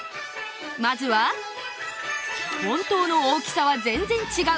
まずは本当の大きさは全然違う！